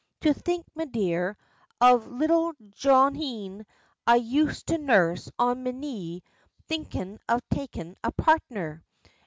To think, me dear, of little Johnneen I used to nurse on me knee thinkin' of takin' a partner.